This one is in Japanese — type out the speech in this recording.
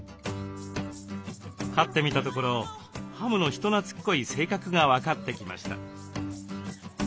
飼ってみたところハムの人なつっこい性格が分かってきました。